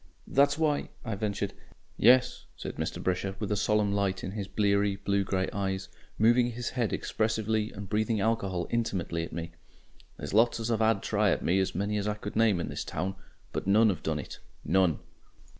"That's why " I ventured. "Yes," said Mr. Brisher, with a solemn light in his bleary, blue grey eyes, moving his head expressively and breathing alcohol INTIMATELY at me. "There's lots as 'ave 'ad a try at me many as I could name in this town but none 'ave done it none."